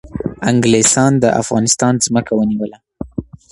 انگلیسان د افغانستان ځمکه ونیوله